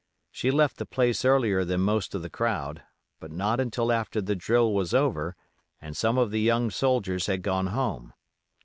She left the place earlier than most of the crowd, but not until after the drill was over and some of the young soldiers had gone home.